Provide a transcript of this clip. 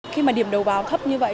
khi mà điểm đầu báo thấp như vậy